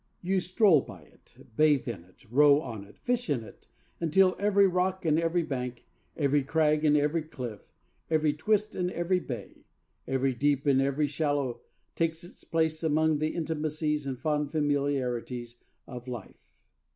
You stroll by it, bathe in it, row on it, fish in it, until every rock and every bank, every crag and every cliff, every twist and every bay, every deep and every shallow, takes its place among the intimacies and fond familiarities of life.